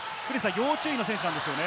要注意の選手なんですね。